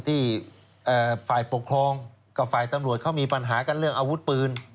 ที่ฝ่ายปกครองกับฝ่ายตำรวจเขามีปัญหากันเรื่องอาวุธปืน